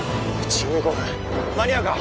１５分間に合うか？